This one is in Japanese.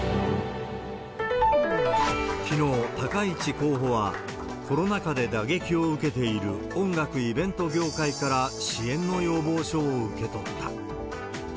きのう、高市候補は、コロナ禍で打撃を受けている音楽、イベント業界から支援の要望書を受け取った。